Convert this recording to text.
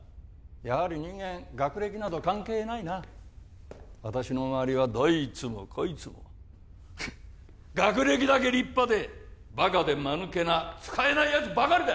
やはり人間学歴など関係ないな私の周りはどいつもこいつもケッ学歴だけ立派でバカで間抜けな使えないやつばかりだ